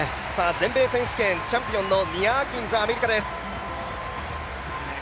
全米選手権チャンピオンのニア・アキンズです。